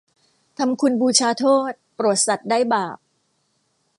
ทำคุณบูชาโทษโปรดสัตว์ได้บาป